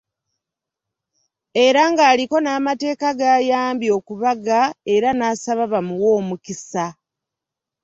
Era ng'aliko n’amateeka g'ayambye okubaga era n'asaba bamuwe omukisa.